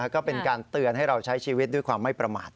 ก็เป็นการเตือนให้เราใช้ชีวิตด้วยความไม่ประมาท